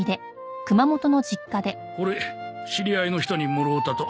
これ知り合いの人にもろうたと。